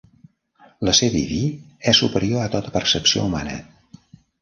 L'Ésser Diví és superior a tota percepció humana.